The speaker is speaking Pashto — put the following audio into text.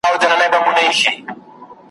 كه تل غواړئ پاچهي د شيطانانو ,